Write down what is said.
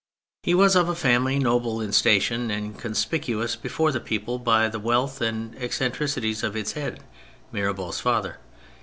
He was of a family noble in station and conspicuous before the people by the wealth and eccentricities of its head, Mirabeau's father.